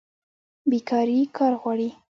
بیکاري کار غواړي